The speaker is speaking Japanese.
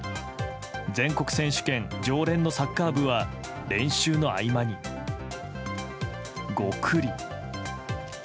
全国選手権常連のサッカー部は練習の合間に、ゴクリ。